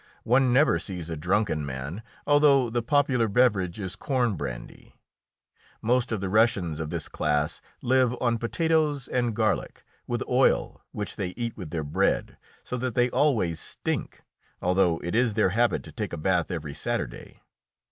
One never sees a drunken man, although the popular beverage is corn brandy. Most of the Russians of this class live on potatoes and garlic, with oil, which they eat with their bread, so that they always stink, although it is their habit to take a bath every Saturday.